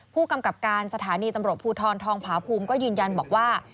ผู้กำกับการสถานีตำรวจภูทรทองผาภูมิก็ยืนยันบอกว่า